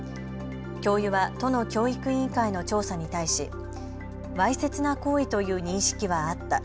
教諭は都の教育委員会の調査に対しわいせつな行為という認識はあった。